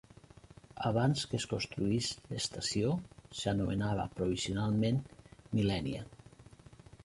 Abans que es construís l'estació, s'anomenava provisionalment Millenia.